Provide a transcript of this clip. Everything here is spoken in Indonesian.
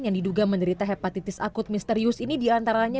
yang diduga menderita hepatitis akut misterius ini diantaranya